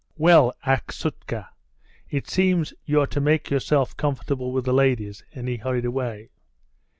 "Well, Aksutka, it seems you're to make yourself comfortable with the ladies," and he hurried away.